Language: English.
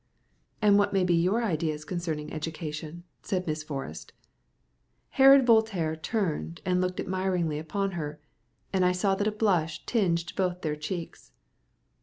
"And what may be your ideas concerning education?" said Miss Forrest. Herod Voltaire turned and looked admiringly on her, and I saw that a blush tinged both their cheeks.